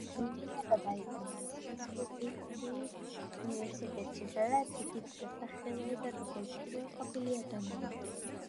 მუმია გადაიტანეს ინსბრუკის უნივერსიტეტში, სადაც იგი დასახელდა როგორც პირველყოფილი ადამიანი.